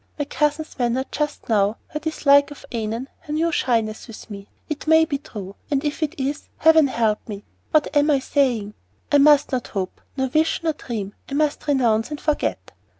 My cousin's manner just now, her dislike of Annon, her new shyness with me; it may be true, and if it is Heaven help me what am I saying! I must not hope, nor wish, nor dream; I must renounce and forget."